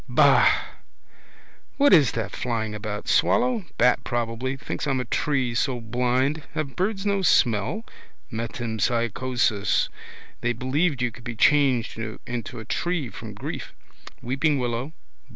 Ba. What is that flying about? Swallow? Bat probably. Thinks I'm a tree, so blind. Have birds no smell? Metempsychosis. They believed you could be changed into a tree from grief. Weeping willow.